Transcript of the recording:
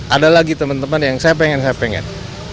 ada lagi teman teman yang saya pengen saya pengen